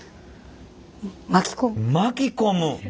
巻き込む。